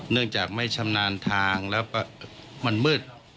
เนื่องจากไม่ชำนาญทางแล้วมันมืด